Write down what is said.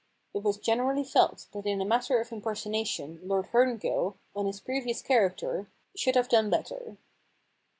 It was generally felt that in a matter of impersonation Lord Herngill, on his previous character, should have done better.